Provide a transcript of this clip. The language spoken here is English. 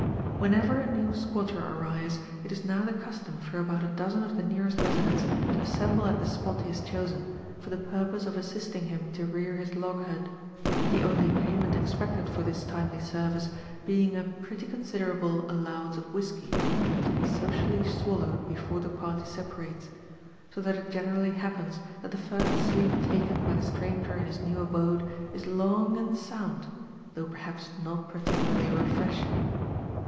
Whenever a new squatter arrives, it is now the custom for about a dozen of the nearest residents to assemble at the spot he has chosen, for the purpose of as sisting him to rear his log hut; the only payment expected for this timely service being a pretty considerable" allowance of whisky, to be socially swallowed before the party separates : so that it generally happans that the first sleep taken by the stranger in his new abode is lonfand sound, though perhaps not particularly refreshing.